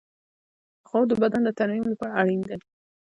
خوب د بدن د ترمیم لپاره اړین دی